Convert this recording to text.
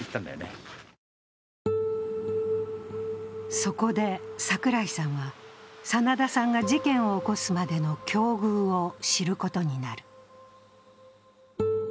そこで櫻井さんは、真田さんが事件を起こすまでの境遇を知ることになる。